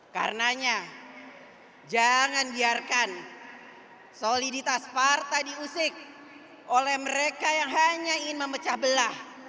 karenanya jangan biarkan soliditas partai diusik oleh mereka yang hanya ingin memecah belah